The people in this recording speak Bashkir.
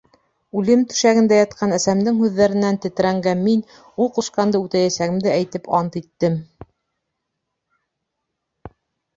Үлем түшәгендә ятҡан әсәмдең һүҙҙәренән тетрәнгән мин, ул ҡушҡанды үтәйәсәгемде әйтеп, ант иттем.